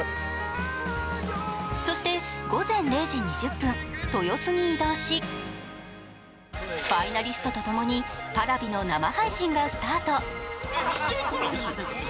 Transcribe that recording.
そして午前０時２０分、豊洲に移動しファイナリストとともにＰａｒａｖｉの生配信がスタート。